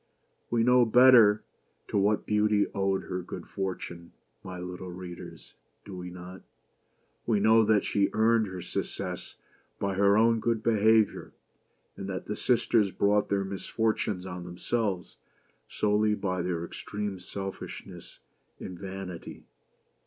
We know better to what Beauty owed her good fortune, my little readers — do we not? We know that she earned her success by her own good behavior, and that the sisters brought their misfortunes on themselves solely by their extreme selfishness and vanity.